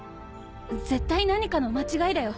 絶対何かの間違いだよ。